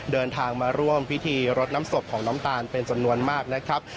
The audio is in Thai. เดินทางมาร่วมพิธีรดน้ำศพของน้ำตาลเป็นจำนวนมากนะครับ